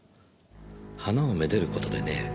花を愛でる事でね